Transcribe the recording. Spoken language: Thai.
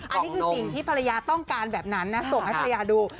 อันนี้คือสิ่งที่ภรรยาต้องการแบบนั้นนะส่งให้ภรรยาดู